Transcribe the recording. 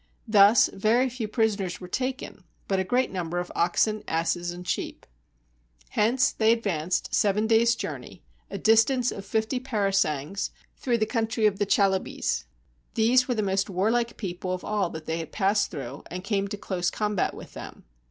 Thus very few prisoners were taken, but a great number of oxen, asses, and sheep. Hence they advanced, seven days' journey, a distance of fifty parasangs, through the country of the Chalybes. These were the most warlike people of all that they passed through, and came to close combat with them.